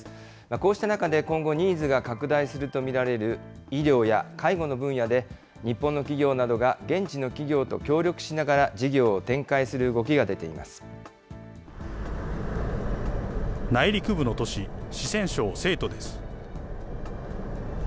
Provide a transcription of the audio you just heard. こうした中で今後、ニーズが拡大すると見られる医療や介護の分野で、日本の企業などが現地の企業と協力しながら事業を展開する動内陸部の都市、四川省成都です。